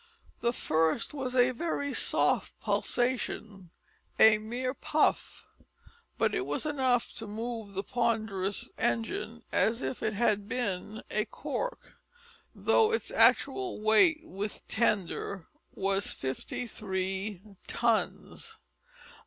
The first was a very soft pulsation a mere puff but it was enough to move the ponderous engine as if it had been a cork, though its actual weight with tender was fifty three tons.